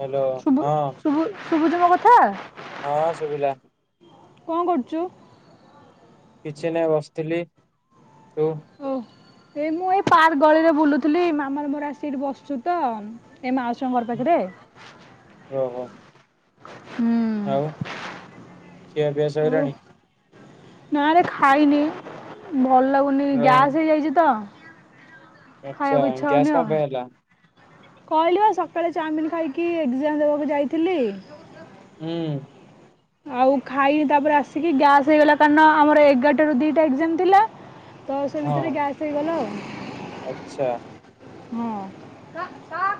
Hello ଶୁଭୁ ହଁ। ଶୁଭୁ ଶୁଭୁଛି ମୋ କଥା। ହଁ ହଁ ଶୁଭିଲା। କଣ କରୁଛୁ। କିଛି ନାହି ବସିଥିଲି ତୁ। ଓ ଏଇ ମୁଁ ଏଇ ପାର୍କ ଗଳିରେ ବୁଲୁଥିଲି ମାମାର ମୋର ଅସିକି ଏଇଠି ବସଛୁ ତ। ଏ ମାଉସୀଙ୍କର ଘର ପାଖରେ। ଓ ହୋ। ହୁଁ। ଆଉ, ଖିଆପିଆ ଆଉ ସଇଲାଣି? ନାରେ ଖାଇନି, ଭଲ୍ ଲାଗୁନି ଗ୍ୟାସ୍ ହେଇଯାଇଚି ତ। ଆଚ୍ଛା, ଖାଇବାକୁ ଇଚ୍ଛା ହଉନି ଗ୍ୟାସ୍ ଆଉ। କଣ ପାଇଁ ହେଲା? କହିଲି ବା ସକାଳେ ଚାଉମିିନ୍ ଖାଇକି ଏକ୍ଜାମ ଦେବାକୁ ଯାଇଥିଲି। ହୁଁ। ଆଉ ଖାଇନି ତାପରେ ଆସିକି ଗ୍ୟାସ୍ ହେଇଗଲା, କାରଣ ଆମର ଏଗାରଟା ରୁ ଦିଟା ଏକ୍ଜାମ୍ ଥିଲା। ତ ସେ ଭିତରେ ହଁ ଗ୍ୟାସ୍ ହେଇଗଲା ଆଉ। ଆଚ୍ଛା। ହଁ।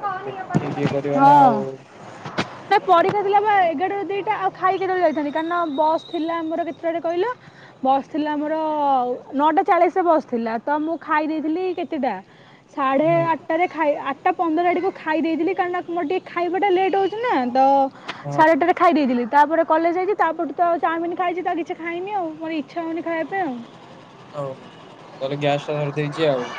ଏ ଦେଖିକି ଇଏ କରିବ ନା ଆଉ। ହଁ ନା ପରୀକ୍ଷା ଥିଲା ବା ଏଗାରଟାରୁ ଦିଟା ଆଉ ଖାଇ କେତବଳେ ଯାଇଥାନ୍ତି କାରଣ ବସ୍ ଥିଲା ଆମର କେତଟାରେ କହିଲ ବସ୍ ଥିଲା ଆମର ନଅଟା ଚାଳିଶରେ ବସ୍ ଥିଲା, ତ ମୁଁ ଖାଇ ଦେଇଥିଲି କେତେଟା ସାଢ଼େ ହୁଁ ଆଠଟାରେ ଖାଇ ଆଠଟା ପନ୍ଦର ଆଡୁକୁ ଖାଇ ଦେଇଥିଲି କାରଣ ମୋର ଟିକେ ଖାଇବାଟା ଲେଟ୍ ହେଉଚି ନା ତ ଶାଢ଼େ ହଁ ଆଠଟା ରେ ଖାଇ ଦେଇଥିଲି ତାପରେ କଲେଜ୍ ଯାଇଚି ତାପରଠୁ ଆଉ ଚାଉମିନି ଖାଇଚି ତ କିଛି ଖାଇନି ଆଉ, ମୋର ଇଚ୍ଛା ହଉନି ଖାଇବା ପାଇଁ ଆଉ। ଓହୋ, ତାହେଲେ ଗ୍ୟାସ୍ ଟା ଧରଦେଇଚି ଆଉ।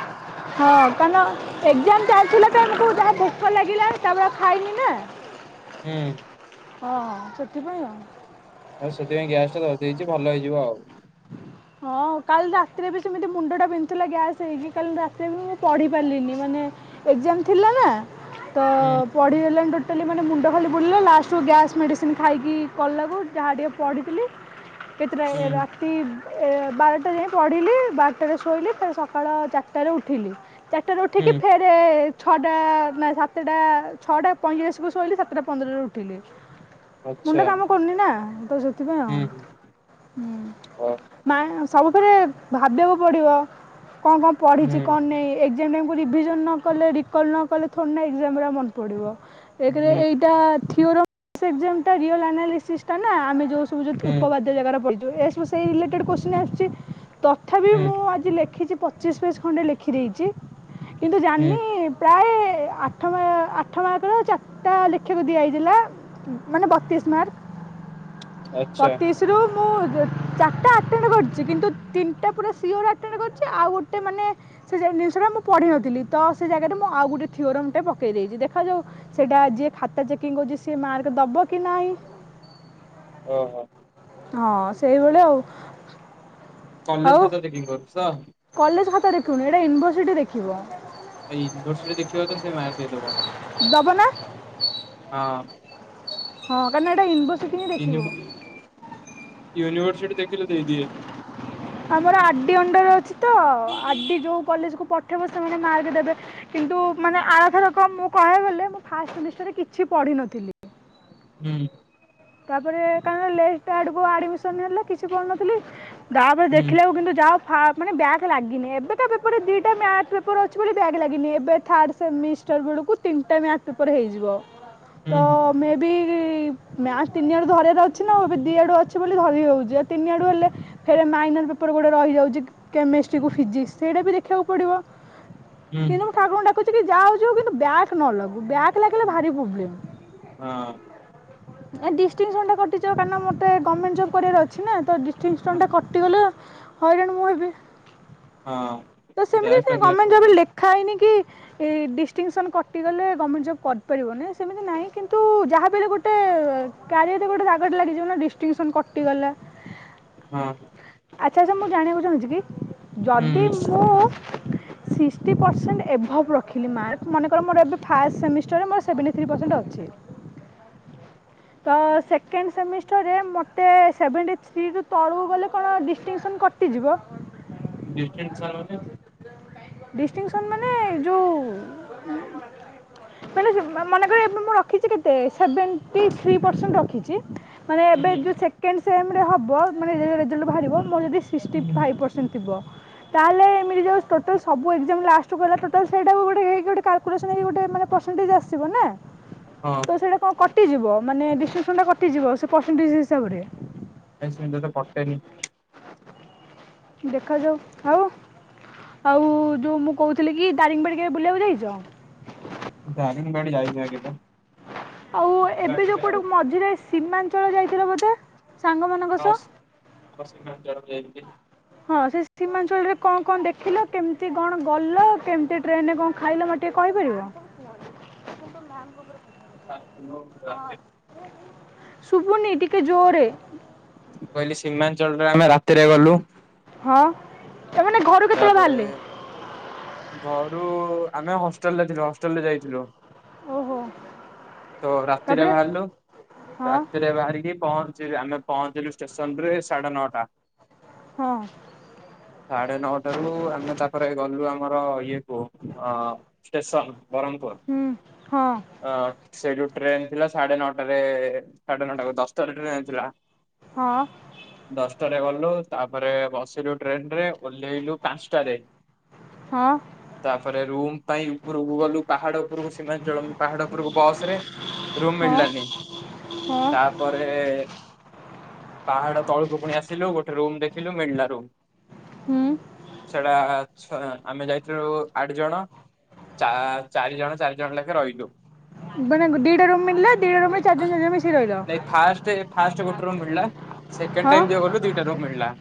ହଁ କାରଣ ଏକ୍ଜାମ୍ ଚାଲିଥିଲା ତ ଆମୁକୁ ଯାହା ଭୋକ ଲାଗିଲା ତାପରେ ଆଉ ଖାଇନି ନା। ହୁଁ। ହଁ ସେଥିପାଇଁ ଆଉ। ଆଉ ସେଥିପାଇଁ ଗ୍ୟାସ୍ ଟା ଧରି ଦେଇଚି ଭଲ ହେଇଯିବ ଆଉ। ହଁ କାଲି ରାତିରେ ବି ସେମିତି ମୁଣ୍ଡଟା ବିନ୍ଧୁଥିଲା ଗ୍ୟାସ୍ ହେଇକି, କାଲି ରାତିରେ ବି ମୁଁ ପଢ଼ି ପାରିଲିନି ମାନେ ଏକ୍ଜାମ୍ ଥିଲା ନା, ତ ହୁଁ। ଆଉ ପଢ଼ିହେଲାନି ଟୋଟାଲି ମାନେ ମୁଣ୍ଡ ଖାଲି ବୁଲେଇଲା ଲାଷ୍ଟରୁ ଗ୍ୟାସ୍ ମେଡ଼ିସିନ୍ ଖାଇକି କଲାକୁ ଯାହା ଟିକେ ପଢ଼ିଥିଲି କେତେଟା ଏ ହୁଁ ରା ତି ଏ ବାରଟା ଯାଏ ପଢ଼ିଲି ବାରଟାରେ ଶୋଇଲି ଫେର୍ ସକାଳ ଚାରିଟାରେ ଉଠିଲି। ଟାରେ ଉଠିକି ହୁଁ ଫେ ରେ ଛଅଟା ନା ସାତେଟା ଛଅଟା ପଇଁଚାଳିଶକୁ ଶୋଇଲି ସାତଟା ପନ୍ଦରରେ ଉଠିଲି। ଆଚ୍ଛା ମୁଣ୍ଡ କାମ କରୁନି ନା, ତ ସେଥିପାଇଁ ଆଉ। ହୁଁ [unintelligible] ମାଁ ସବୁ ଫେରେ ଭାବିଆକୁ ପଡିବ କଣ-କଣ ହୁଁ ପଡିଚି କଣ ନେଇ ଏ ଏକ୍ଜାମ୍ ଟାଇମକୁ ରିଭିଜନ୍ ନ କଲେ ରିକଲ୍ ନ କଲେ ଥୋଡିନା ଏକ୍ଜାମରେ ଆଉ ମନ ପଡ଼ିବ, ଏକ ରେ ହୁଁ ଏଇ ଟା ଥିଓରମ୍ ଏକ୍ଜାମ୍ ଟା ରିୟଲ୍ ଆନାଲିସିସ୍ ଟା ନା ଆମେ ଯୋଉ ସବୁ ହୁଁ ଉପପାଦ୍ୟ ଜାଗାରା [unintelligible] ଏସବୁ ସେଇ ରିଲେଟେଡ୍ କୋଶ୍ଚିନ୍ ଆସିଚି, ତଥାପି ହୁଁ ମୁଁ ଆଜି ଲେଖିଚି ପ ଚିଶ୍ ପେଜ୍ ଖଣ୍ଡେ ଲେଖିଦେଇଚି କିନ୍ତୁ ହୁଁ ଜାଣିନି ପ୍ରାୟ ଆଠ ମା ଆଠ ମାର୍କର ଚାରିଟା ଲେଖିବାକୁ ଦିଆ ହେଇଥିଲା। ମାନେ ବତିଶ୍ ମାର୍କ, ଆଚ୍ଛା ବତିଶରୁ ମୁଁ ଚାରିଟା ଅଟେଣ୍ଡ କରିଚି କିନ୍ତୁ ତିନିଟା ପୁରା ଶିଓର ଆଟେଣ୍ଡ କରିଚି ଆଉ ଗୋଟେ ମାନେ ସେ ଜିନିଷଟା ମୁଁ ପଢ଼ିନଥିଲି, ତ ସେ ଜାଗାରେ ମୁଁ ଆଉ ଗୋଟେ ଥିଓରମ୍ ଟେ ପକେଇ ଦେଇଚି ଦେଖାଯାଉ ସେଇଟା ଯିଏ ଖାତା ଚେକିଂ କରୁଚି ସିଏ ମାର୍କ ଦବ କି ନାଇଁ ଅହ। ହଁ ସେଇଭଳିଆ ଆଉ। କଲେଜ ଖାତା ଚେକିଙ୍ଗ କରୁଛ? କଲେଜ୍ ଖାତା ଦେଖିବନି ଏଇଟା ୟୁନିଭର୍ସିଟି ଦେଖିବ। ଏଇ ଇନଭର୍ସିଟି ଦେଖିବ ତ ସେ ମାର୍କ ଦେଇଦବ। ଦବ ନା? ହଁ। ହଁ କାରଣ ଏଇଟା ୟୁନିଭ ୟୁନି ୟୁନିଭର୍ସିଟି ଦେଖିଲେ ଦେଇଦିଏ। ଆମର ଆର ଡି ଅଣ୍ଡର ହୁଁ ଅଛି ତ ଆର ଡି ଯୋଉ କଲେଜକୁ ପଠେଇବ ସେମାନେ ମାର୍କ ଦେବେ। କିନ୍ତୁ ମାନେ ଆର ଥରକ ମୁଁ କହିବାକୁ ଗଲେ ମୁଁ ଫାଷ୍ଟ ସେମିଷ୍ଟାରରେ କିଛି ପଢିନଥିଲି। ହୁଁ। ତାପରେ କାରଣ ଲେଟ ଆଡ଼କୁ ଆଡ଼ମିସନ୍ ହେଲା କିଛି ପଢୁନଥିଲି। ତାପରେ ହୁଁ ଦେଖିଲା ବେଳକୁ କିନ୍ତୁ ଯା ଫ ମାନେ ବ୍ୟାକ୍ ଲାଗିନି ଏବେ କା ପେପର୍ ଦୁଇଟା ମ୍ୟାଥ ପେପର ଅଛି ବୋଲି ବ୍ୟାଗ୍ ଲାଗିନି ଏବେ ଥାର୍ଡ଼ ସେମି ଷ୍ଟାର୍ [unintelligible] ବେଳକୁ ତିନିଟା ମ୍ୟାଥ ପେପର ହେଇଯିବ ହୁଁ ତ ହୁଁ ମେ ବି ମ୍ୟାଥ୍ ତିନିଆଡ଼ୁ ଧରିବାର ଅଛି ନାଉ ଏବେ ଦୁଇ ଆଡ଼ୁ ଅଛି ବୋଲି ଧରି ହେଉଛି ଆଉ ତିନିଆଡ଼ୁ ହେଲେ ଫେରେ ମାଇନାର ପେପର ଗୋଟେ ରହିଯାଉଛି କେମେଷ୍ଟ୍ରିକୁ ଫିଜିକ୍ସ ସେଇଟାବି ଦେଖିବାକୁ ପଡ଼ିବ। ହୁଁ କିନ୍ତୁ ମୁଁ ଠାକୁରଙ୍କୁ ଡାକୁଛି କି ଯା ହଉଛି ହଉ କିନ୍ତୁ ବ୍ୟାକ୍ ନ ଲାଗୁ ବ୍ୟାକ୍ ଲାଗିଲେ ହୁଁ ଭାରି ପ୍ରୋବ୍ଲେମ୍। ହଁ। ଏ ଡିଷ୍ଟିଂସନ୍ ଟା କଟିଯିବ କାରଣ ମତେ ଗର୍ଣ୍ଣମେଣ୍ଟ ଜବ୍ କରିବାର ଅଛି ନା ତ ଦିଷ୍ଟିଂସନ୍ଟା ହଁ କଟିଗଲେ ହଇରାଣ ମୁଁ ହେବି ହଁ ତ ସେମିତି ବ୍ୟାକ୍ ଲାଗିଲା ଗମେଣ୍ଟ ଜବରେ ପ୍ରୋବ୍ଲେମ ଲେ ଖାଇନି କି ଡିଷ୍ଟିଙ୍ଗସନ୍ କଟିଗଲେ ଗମେଣ୍ଟ ଜଵ୍ କରିପାରିବନି ସେମିତି ନାହିଁ କିନ୍ତୁ ଯାହାବି ହେଲେ ଗୋଟେ କ୍ୟାରିଅରରେ ଗୋଟେ ଦାଗଟେ ଲାଗିଯିବ ନା ଡିଷ୍ଟିଂସନ କଟିଗଲା। ହଁ। ଆଚ୍ଛା ଆଚ୍ଛା ମୁଁ ଜାଣିବାକୁ ଚାହୁଁଛି କି ଯଦି ହୁଁ ମୁଁ ସିକ୍ସଟି ପରସେଣ୍ଟ ଏଭଭ୍ ରଖିଲି ମାର୍କ ମନେକର ମୋର ଏବେ ଫାଷ୍ଟ୍ ସେମିଷ୍ଟର ମୋର ସେଭେଣ୍ଟି ଥ୍ରୀ ପରସେଣ୍ଟ ଅଛି। ତ ସେକେଣ୍ଡ ସେମିଷ୍ଟରରେ ମୋତେ ସେଭେଣ୍ଟି ଥ୍ରୀ ରୁ ତଳକୁ ଗଲେ କଣ ଡିଷ୍ଟିଂସନ କଟ କଟିଯିବ? ଡିଷ୍ଟିଂସନ୍ ମାନେ? ଡିଷ୍ଟିଂସନ୍ ମାନେ ଯୋଉ ମନେ ମନେକର ଏବେ ମୁଁ ରଖିଛି କେତେ ସେଭେନ ସେଭେଣ୍ଟି ଥ୍ରୀ ପରସେଣ୍ଟ ରଖିଛି ମାନେ ହୁଁ ଏବେ ହୁଁ ଯୋ ସେ ସେକେଣ୍ଡ ସେମେରେ ହବ ମାନେ ଯେତେବେଳେ ରେଜଲ୍ଟ ବାହାରିବ ମୋର ଯଦି ସିକ୍ସଟି ଫାଇଭ୍ ପରସେଣ୍ଟ ଥିବ। ତାହେଲେ ଏମିତିଯୋଉ ଟୋଟାଲ୍ ସବୁ ଏକ୍ଜାମ ଲାଷ୍ଟକୁ ହେଲା ଟୋଟାଲ୍ ସେଇଟା ଗୋଟେ ହେଇକି କାଲ କାଲକୁଲେସନ୍ ହେଇକି ଗୋଟେ ପରସେଣ୍ଟେଜ୍ ଆସିବ ନା। ହଁ ତ ସେଇଟା କଣ କଟିଯିବ ମାନେ ଡିଷ୍ଟିଂସନ୍ କଟିଯିବ ସେଇ ପରସେଣ୍ଟେଜ ହିସାବରେ? ଏ ସେି ତ ପଟେନି [inaudible] ଦେଖାଯାଉ ଆଉ ଆଉ ଯୋଉ ମୁଁ କହୁଥିଲି କି ଦାରିଙ୍ଗବାଡ଼ିି କେବେ ବୁଲିବାକୁ ଯାଇଛ? ଦାରିଙ୍ଗବାଡି ଯାଇନି ଆ କେବେ। ଆଉ ଏବେ ଯୋଉ କୋଉଠୁ ମଝିରେ ସୀମାଞ୍ଚଳ ଯାଇଥିଲ ବୋଧେ ସାଙ୍ଗମାନେ? ହ ହସିଞ୍ଚଡ଼ ଯାଇି [inaudible] ହଁ ସେ ସୀମାଞ୍ଚଳରେ କଣ କଣ ଦେଖିଲ କେମିତି କଣ ଗଲ କେମିତି ଟ୍ରେନରେ କଣ ଖାଇଲ ମ ତେ ଟିକେ କହିପାରିବ? ହ [inaudible] କିନ୍ତୁ ମ୍ୟାମ୍ ଙ୍କ ଉପରେ। [unintelligible] ଶୁଭୁନି ଟିକେ ଜୋରେ। ମୁଁ କହିଲି ସୀମାଞ୍ଚଳରେ ଆମେ ରାତିରେ ଗଲୁ। ହଁ। ତା ମାନେ ଘରୁ କେତେବେଳେ ତାପରେ ବାହାଲେ? ଘରୁ ଆମେ ହଷ୍ଟେଲରେ ଥିଲୁ ହଷ୍ଟେଲରୁ ଯାଇଥିଲୁ। ଓହୋ ତ ରାତିରେ ତା'ପରେ ବାହାରିଲୁ। ହଁ ରାତିରେ ବାହାରିକି। ପହଞ୍ଚିଲୁ ଆମେ ପହଞ୍ଚିଲୁ ଷ୍ଟେସନରେ ସାଢେ ନଅଟା। ହଁ। ସାଢେ ନଅଟାରୁ ଆମେ ତାପରେ ଗଲୁ ଆମ ଆମର ଇଏକୁ ଷ୍ଟେସନ ବରମପୁରୁ। ହୁଁ ହଁ। ଅ ସେ ଯୋଉ ଟ୍ରେନେ ଥିଲା ସାଢେ ନଅଟାରେ ସାଢେ ନଅଟା ଦଶଟାରେ ଟ୍ରେନେ ଥିଲା। ହଁ। ଦଶଟାରେ ଗଲୁ ତାପରେ ବସିଲୁ ଟ୍ରେନେରେ ଓହ୍ଲେଇଲୁ ପାଞ୍ଚଟାରେ। ହଁ। ତାପରେ ରୁମ୍ ପାଇଁ ଉପରକୁ ଗଲୁ ପାହାଡ ଉପରକୁ ସୀମାଞ୍ଚଳ ପାହାଡ ଉପରକୁ ବସରେ। ରୁମ୍ ହଁ ମିଳିଲାନି। ହଁ। ତାପରେ ପାହାଡ଼ ତଳକୁ ପୁଣି ଆସିଲୁ ଗୋଟେ ରୁମ୍ ଦେଖିଲୁ ମିଳିଲା ରୁମ୍। ହୁଁ। ସେଡା ଆଛୁ। ହଁ ଆମେ ଯାଇଥିଲୁ ଆଡ଼ ଜଣ। ଚାରି ଜଣ ଚାରି ଜଣ ଲେଖେ ରହିଲୁ। ମାନେ ଦୁଇଟା ରୁମ୍ ମିଳିଲା ଦୁଇଟା ରୁମ୍ରେ ଚାରିଜଣ ଚାରିଜଣ ମିଶିକି ରହିଲ ନାଇ ଫାଷ୍ଟେ ଫାଷ୍ଟେ ଗୋଟେ ରୁମ୍ ମିଳିଲା। ସେକେଣ୍ଡେ ଟାଇମ୍ ଯଉ ହଁ ଗଲୁ ଦିଟା ରୁମ୍ ମିଳିଲା।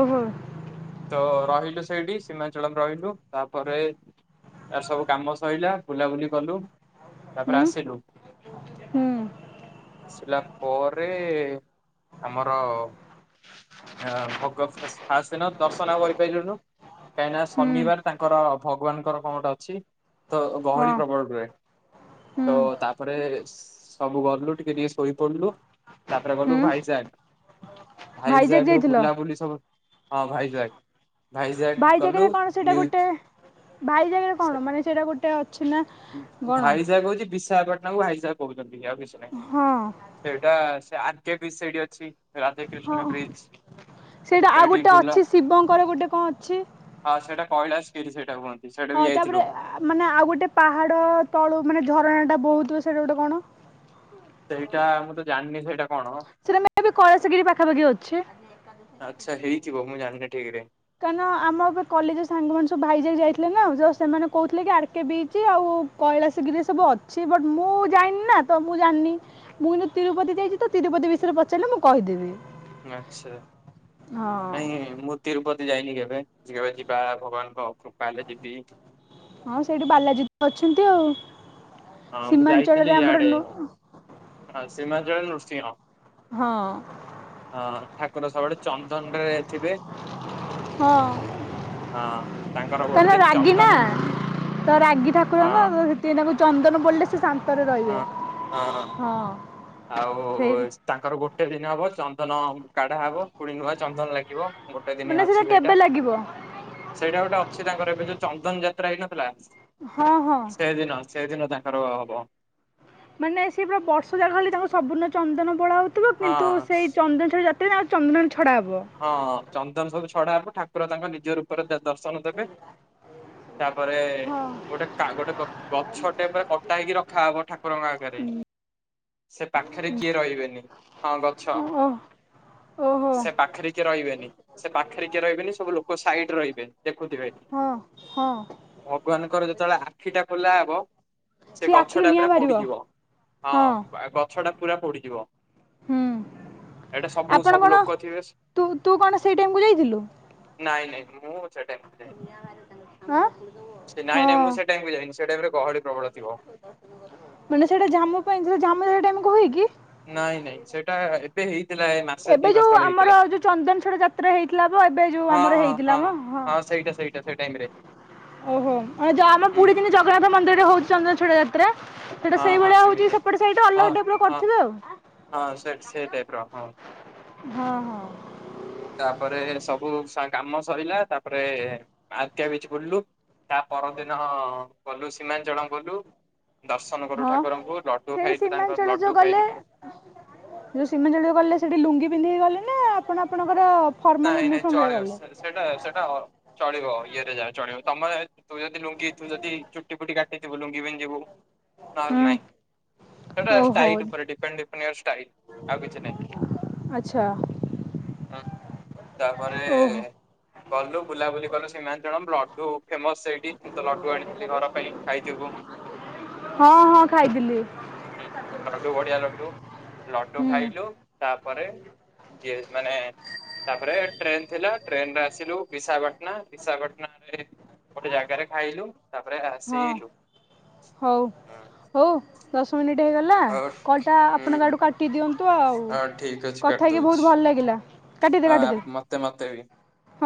ଓହୋ। ତ ରହିଲୁ ସେଇଠି। ସୀମାଞ୍ଚଳ ରେ ରହିଲୁ। ତାପରେ ଇଆଡ଼େ ସବୁ କାମ ସଇଲା ବୁଲାବୁଲି କଲୁ। ତାପରେ ହୁଁ ଆସିଲୁ। ହୁଁ ଆସିଲା ପରେ। ଆମର। ହଁ ଇଆ ଭଗତ ଫାସେ ଦିନ ଦର୍ଶନ ଆଉ କରିପାରିଲୁନୁ। କାହିଁକିନା ହୁଁ ଶନିବାର ତାଙ୍କର ଭଗବାନଙ୍କର ଫଣ୍ଡ ଅଛି। ତ ହଁ ଗହଳି ପ୍ରବଳ ରୁହେଁ। ହୁଁ ତ ତାପରେ ସବୁ ଗଲୁ ଟିକେ ଟିକେ ଶୋଇପଡ଼ିଲୁ। ତାପରେ ଗଲୁ ଭାଇସାଗ। ଭାଇଯାକ ଯାଇଥିଲ। ବୁଲି ସବୁ। ହଁ ଭାଇଜ୍ୱାକ ଭାଇଜ୍ୱାକ ଗଲୁୁ ମିୟୁଜୁ ଭାଇ ଜାଗାରେ କଣ ମାନେ ସେଇଟା ଗୋଟେ ଅଛି ନାଁ। ଭାଇଜ୍ୱାଗ ହଉଛି ବିଶାଖପାଟଣା କୁ ଭାଇଜା କହୁଛନ୍ତି ଆଉ କିଛି ନାଁ। ହଁ। ସେଇଟା ସେ ଆର୍ କେ ବି ସେଇଟି ଅଛି। ହଁ ରାଧାକ୍ରିଷ୍ଣା ବ୍ରିଜି। ସେଇଟା ଆଉ ସେଇଟି ଗୋଟେ ପୋଲ। ଅଛି ଶିବଙ୍କର ଗୋଟେ କଣ ଅଛି ହଁ ସେଇଟା କୈଳାସ କିଟି ସେଟା କୁହନ୍ତି। ସେଇଟା ହଁ ବି ତାପରେ ଯାଇଥିଲୁ। ଆ-ମାନେ ଆଉ ଗୋଟେ ପାହାଡ ତଳୁ ମାନେ ଝରଣା ଟା ବୋହୁତଥିବ ସେଇଟା ଗୋଟେ କଣ? ତେଇଟା ମୁଁ ତ ଜାଣିନେଇଁ ସେଇଟା କଣ? ସେଇଟା ମେବି କଳସଗିରି ପାଖାପାଖି ଅଛି। ଆଚ୍ଛା ହେଇଥିବ ମୁଁ ଜାଣିନେଇଁ ଠିକ୍ ରେ। କାନ ଆମର ପା କଲେଜରେ ସାଙ୍ଗ ମାନେ ସବୁ ଭାଇଜାକ୍ ଯାଇଥିଲେ ନା ଯୋଉ ସେମାନେ କୋଉଥିଲେ କି ଆଡକେ ବିଚି ଆଉ କୈଳାଶ ଘିରି ରେ ସବୁ ଅଛି ବଟ୍ ମୁଁ ଯାଇନିନା ତ ମୁଁ ଜାନ୍ନି। ମୁଁ କିନ୍ତୁ ତିରୁପତି ଯାଇଚି ତ ତିରୁପତି ବିଷୟରେ ପଚାରିଲେ ମୁଁ କହିଦେବି। ଆଚ୍ଛା। ହଁ ନାଇଁ ମୁଁ ତିରୁପତି ଯାଇନି କେବେ ଯେବେ ଯିବା ଭଗବାନଙ୍କ କୃପା ହେଲେ ଯିବି। ହଁ ସେଇଠି ବାଲାଜିତ ଅଛନ୍ତି ଆଉ ହଁ ମୁଁ ସୀମାଞ୍ଚଳରେ ଆମର ନୋ ହଁ ସିମାଞ୍ଚଳ ରେ ନୃସିଂହ। ହଁ। ହଁ, ଠାକୁର ସବୁବେଳେ ଚନ୍ଦନ୍ ରେ ଥିବେ। ହଁ। ହଁ ଗୋଟେ ତାଙ୍କର ଦିନ ରାଗି ନା ଚନ୍ଦନ ତ ରାଗି ହଁ ଠାକୁରଙ୍କ [inaudible] ସେ ତାଙ୍କୁ ଚନ୍ଦନ ବୋଳିଲେ ସେ ଶାନ୍ତରେ ରହିବେ ହଁ ହଁ। ଆଉ ସେଇ ତାଙ୍କର ଗୋଟେ ଦିନ୍ ହବ ଚନ୍ଦନ କାଢା ହବ ପୁଣି ନୂଆ ଚନ୍ଦନ ଲାଗିବ। ଗୋଟେ ଦିନି ମାନେ ଅଛି କେବେ ସେଇଟା। ଲାଗିବ ସେଇଟା ଗୋଟେ ଅଛି ତାଙ୍କର ଏବେ ଯୋଉ ଚନ୍ଦନ ଯାତ୍ରା ହେଇନଥିଲା? ହଁ ହଁ। ସେଇଦିନ ସେଇଦିନ ତାଙ୍କର ହବ। ମାନେ ସେ ପୁରା ବର୍ଷ ଜାଙ୍କ ଖାଲି ତାଙ୍କୁ ସବୁର୍ଣ୍ଣ ଚନ୍ଦନ ବୋଳା ହୋଉଥୁବ ହଁ କିନ୍ତୁ ସେଇ ଚନ୍ଦନ ଠାରୁ ଯା ଟିଣା ଆଉ ଚନ୍ଦ୍ନ ରେ ଛଡା ହବ। ହଁ ଚନ୍ଦନ ସବୁ ଛଡା ହବ ଠାକୁର ତାଙ୍କ ନିଜ ରୂପରେ ଦ ଦର୍ଶନ ଦେବେ। ତାପରେ ଗୋଟେ କା ଗୋଟେ ଗ ଗଛଟେ ପୁରା କଟାହେଇକି ରଖାହବ ଠାକୁରଙ୍କ ଆଗେରେ। ସେ ପାଖେରେ ଜିଏ ରହିବେନି ହଁ ଗଛ ଓ ଓହୋ ସେ ପା ପାଖେରେ କିଏ ରହିବେନି ସେ ପାଖେରେ କିଏ ରହିବେନି ସବୁ ଲୋକ ସାଇଡ୍ ରେ ରହିବେ ଦେଖୁଥିବେ। ହଁ ହଁ। ଭଗବାନଙ୍କର ଯେତେବେଳେ ଆଖି ଟା ଖୋଲା ହବ। ସେ ସିଏ ଗଛ ଆଖିରୁ ଟା ନିଆଁ ପୁରା ବାହାରିବ। ପୋଡିଯିବ ହଁ ବା ଗଛ ଟା ପୁରା ପୋଡିଯିବ। ହୁଁ ଏଟା ସବୁ ଆପଣ ସବୁ କଣ ଲୋକ ଥିବେ ସ୍ ତୁ ତୁ କଣ ସେଇ ଟାଇମ୍ କୁ ଯାଇଥିଲୁ? ନାଇଁ ନାଇଁ ମୁଁ ସେ ଟାଇମକୁ ଆଖିରୁ ଯାଇନି ନିଆଁ ବାହାରିବ ତାଙ୍କଠୁଁ। ସେ ନାଇଁ ନାଇଁ ମୁଁ ସେ ଟାଇମ୍ କୁ ଯାଇନୁ ସେ ଟାଇମ୍ ରେ ଗହଳି ପ୍ରବଳ ଥିବ। ମାନେ ସେଇଟା ଜାମୁ ପାଇଁ ଧର ଜାମୁରୋଳ ଟାଇମ୍ କୁ ହୁଏ କି? ନାଇଁ ନାଇଁ ସେଟା ଏ ଏବେ ହେଇଥିଲା ଏ ମାସେ ଏବେ ଦି ମାସେ ଯୋଉ ତଳେ ଆମର ହେଇଥିଲା। ଯୋଉ ଚନ୍ଦନ ଛଡ଼ା ଯାତ୍ରା ହେଇଥିଲା ବା ଏବେ ଯୋଉ ହଁ, ଆମର ହଁ, ହେଇଥିଲା ହଁ ମ ହଁ ସେଇଟା ସେଇଟା ସେଇ ଟାଇମ୍ ରେ। ଓହୋ, ଅ ଯୋଉ ଆମ ହୁଁ ପୁଡି ଦିନି ଜଗନ୍ନାଥ ମନ୍ଦିରରେ ହୋଉଛି ଚନ୍ଦନ ଛଡା ଯାତ୍ରା। ସେଇଟା ହଁ ହଁ ସେଇଭଳିଆ ହୋଉଚି ସେମିତି ସେପଟ ସାଇଟୁ ଅଲଗା ହଁ ଟାଇପ୍ର ହଁ କରୁଥୁବେ ଆଉ। ହଁ ସେ ସେଇ ଟାଇପ୍ ର ହଁ। ହଁ ହଁ। ତାପରେ ସବୁ ସା କାମ ସରିଲା, ତାପରେ ଆର୍କେ ବିଚ୍ ବୁଲ୍ଲୁ। ତା ପରଦିନ ଗଲୁ, ସିମାଞ୍ଚଳମ୍ ଗଲୁ। ଦର୍ଶନ କଲୁ ହଁ ଠାକୁରଙ୍କୁ, ଲଡୁ ସେଇଠି ଖାଇଲୁ ସୀମାଞ୍ଚଳ ତାଙ୍କର ଯୋଉ ଲଡୁ ଗଲେ ଖାଇଲୁ ଯୋଉ ସୀମାଞ୍ଚଳମ ଗଲେ ସେଠି ଲୁଙ୍ଗି ପିନ୍ଧିକି ଗଲେ ନା, ଆପଣ ଆପଣଙ୍କର ଫର୍ମାଲ ନାଇଁ ନାଇଁ ୟୁନିଫର୍ମରେ ଚଳିବ ଗଲେ? ସେଇଟା ସେଇଟା ଚଳିବ ଇଏରେ ଯା ଚଳିବ, ତମେ ତୁ ଯଦି ଲୁଙ୍ଗି ତୁ ଯଦି ଚୁଟି ଫୁଟି କାଟିଥିବୁ, ଲୁଙ୍ଗି ପିନ୍ଧି ଯିବୁ। ନହେଲେ ନାଇଁ, ସେଇଟା ଓହୋ ଷ୍ଟାଇଲ ଉପରେ ଡିପେଣ୍ଡ, ଡିପେଣ୍ଡ ଇୟୋର୍ ଷ୍ଟାଇଲ ଆଉ କିଛି ନାଇଁ। ଆଚ୍ଛା। ତାପରେ ଓହୋ ଗଲୁ, ବୁଲାବୁଲି କଲୁ ସୀମାଞ୍ଚଳମ୍, ଲଡ଼ୁ ଫେମସ୍ ସେଇଠି। ମୁଁ ତ ଲଡ଼ୁ ଆଣିଥିଲି ଘର ପାଇଁ, ଖାଇଥିବୁ। ହଁ- ହଁ ଖାଇଥିଲି‌। ହୁଁ ଲଡୁ ବଢିଆ ଲଡୁ, ଲଡୁ ହୁଁ ଖାଇଲୁ ତାପରେ, ଇଏ ମାନେ ତାପରେ ଟ୍ରେନ ଥିଲା ଟ୍ରେନରେ ଆସିଲୁ ବିଶାଖପାଟଣା, ବିଶାପାଟଣାରେ ଗୋଟେ ଜାଗାରେ ଖାଇଲୁ, ତାପରେ ହଁ ଆସିଲୁ ହଉ। ହଁ। ହଉ ଦଶ ମିନିଟ୍ ହେଇଗଲା, କଲ୍ ଟା ହୁଁ ଆପଣଙ୍କ ହୁଁ ଆଡୁ କାଟି ଦିଅନ୍ତୁ ଆଉ‌। ହଁ ଠିକ ଅଛି କାଟି କଥା ହେଇକି ବହୁତ ଭଲ ଲାଗିଲା, କାଟିଦେ କାଟିଦେ। ତତେ ମତେ